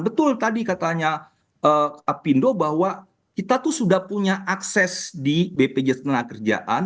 betul tadi katanya apindo bahwa kita tuh sudah punya akses di bpjs tenaga kerjaan